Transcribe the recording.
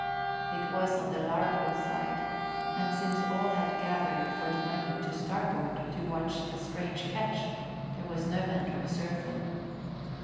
It was on the larboard side, and since all had gathered for the moment to starboard to watch the strange ketch, there was no man to observe them.